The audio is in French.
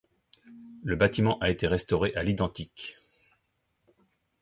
Le bâtiment a été restauré à l’identique.